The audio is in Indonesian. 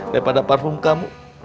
daripada parfum kamu